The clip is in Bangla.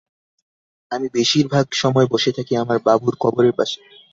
আমি বেশির ভাগ সময় বসে থাকি আমার বাবুর কবরের পাশে।